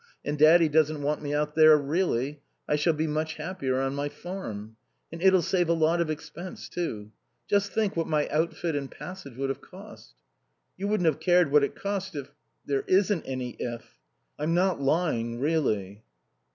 And Daddy doesn't want me out there, really. I shall be much happier on my farm. And it'll save a lot of expense, too. Just think what my outfit and passage would have cost." "You wouldn't have cared what it cost if " "There isn't any if. I'm not lying, really."